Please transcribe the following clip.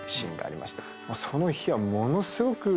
その日はものすごく。